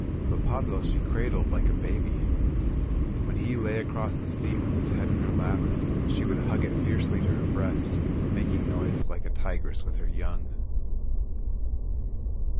But Pablo she cradled like a baby. When he lay across the seat with his head in her lap, she would hug it fiercely to her breast, making noises like a tigress with her young.